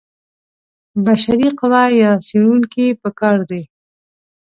بشري قوه یا څېړونکي په کار دي.